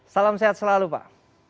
salam sehat selalu pak